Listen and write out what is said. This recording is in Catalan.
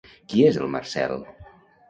Qui és el Marcel?